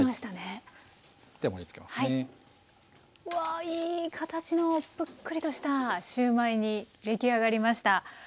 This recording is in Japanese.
うわいい形のぷっくりとしたシューマイに出来上がりました！